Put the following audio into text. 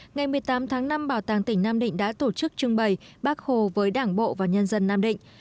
ngày một mươi tám tháng năm bảo tàng tỉnh nam định đã tổ chức trưng bày bác hồ với đảng bộ và nhân dân nam định